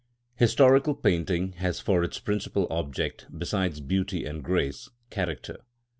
§ 48. Historical painting has for its principal object, besides beauty and grace, character.